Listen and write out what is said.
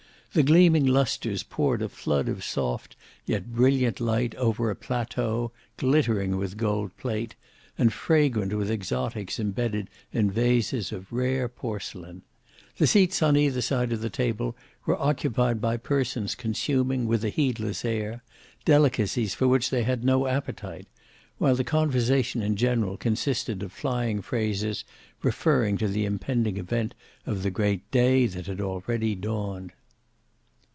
The gleaming lustres poured a flood of soft yet brilliant light over a plateau glittering with gold plate, and fragrant with exotics embedded in vases of rare porcelain. The seats on each side of the table were occupied by persons consuming, with a heedless air, delicacies for which they had no appetite; while the conversation in general consisted of flying phrases referring to the impending event of the great day that had already dawned.